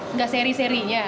enggak seri seri ya